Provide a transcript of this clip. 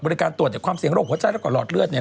บริการตรวจจะความเสี่ยงโรคหัวใจแล้วก็หลอดเลือดนี่นะ